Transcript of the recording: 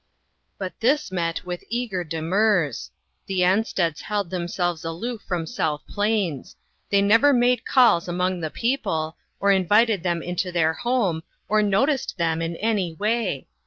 But this met with eager demurs. The Ansteds held themselves aloof from South Plains. They never made calls among the people, or invited them to their home, or 132 INTERRUPTED. noticed them in any way.